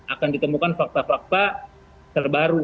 akan ditemukan fakta fakta terbaru